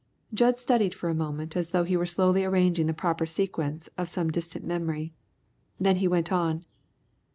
Jud studied for a moment as though he were slowly arranging the proper sequence of some distant memory. Then he went on.